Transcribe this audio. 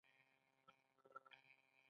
د فولادو صنعت په ایران کې لوی دی.